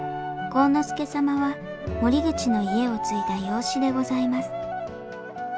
晃之助様は森口の家を継いだ養子でございます。